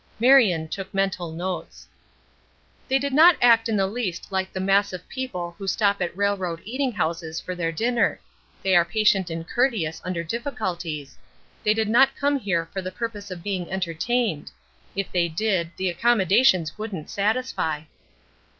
Marion took mental notes. "They do not act in the least like the mass of people who stop at railroad eating houses for their dinner; they are patient and courteous under difficulties; they did not come here for the purpose of being entertained; if they did the accommodations wouldn't satisfy."